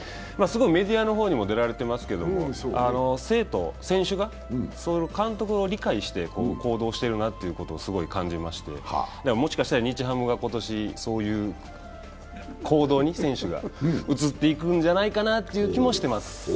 すごいメディアの方にも出られていますけれども、生徒、選手が監督を理解して行動しているなということをすごい感じまして、もしかして日ハムが今年、そういう行動に選手が移っていくんじゃないかなという気もしています。